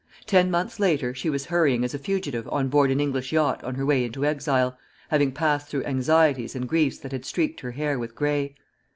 Ten months later, she was hurrying as a fugitive on board an English yacht on her way into exile, having passed through anxieties and griefs that had streaked her hair with gray.